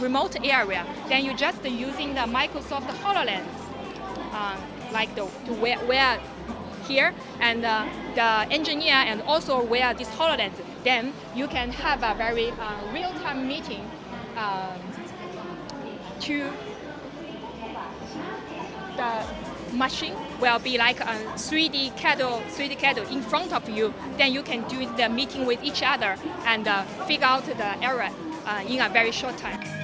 maka anda bisa berjumpa dengan satu sama lain dan mengetahui masalahnya dalam waktu yang sangat pendek